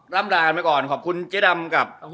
่ำลากันไปก่อนขอบคุณเจ๊ดำกับ